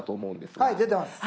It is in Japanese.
はい出てます。